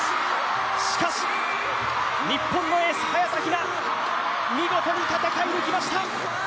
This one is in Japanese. しかし、日本のエース、早田ひな、見事に戦い抜きました。